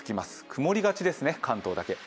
曇りがちですね、関東だけ。